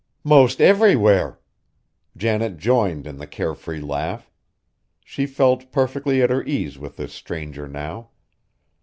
"'Most everywhere!" Janet joined in the care free laugh. She felt perfectly at her ease with this stranger now.